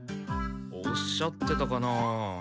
おっしゃってたかなあ。